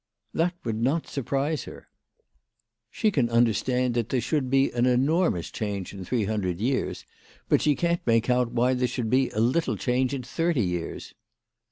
That would not surprise her. She can under 36 WHY FRATJ FROHMANN RAISED HER PRICES. stand that there should be an enormous change in three hundred years ; but she can't make out why there should be a little change in thirty years."